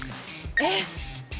えっ？